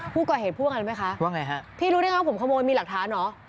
พูดก่อนเห็นพวกนั้นไหมคะพี่รู้ได้ไหมครับผมขโมยมีหลักฐานเหรอ